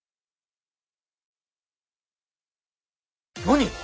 何？